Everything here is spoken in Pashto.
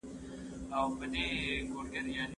شریف خپل زوی ته د کلا د دفاعي برجونو په اړه معلومات ورکړل.